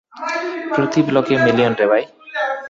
প্রতি ব্লকে মিলিয়ন রে, ভাই।